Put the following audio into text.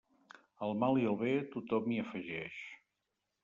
Al mal i al bé, tothom hi afegeix.